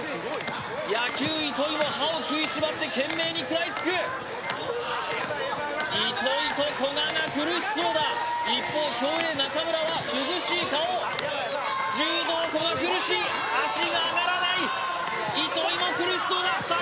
野球・糸井も歯を食いしばって懸命に食らいつく糸井と古賀が苦しそうだ一方競泳・中村は涼しい顔柔道・古賀苦しい足が上がらない糸井も苦しそうださあ